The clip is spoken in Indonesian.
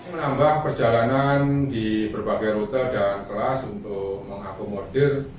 menambah perjalanan di berbagai rute dan kelas untuk mengakomodir